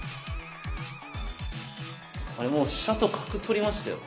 あれもう飛車と角取りましたよ。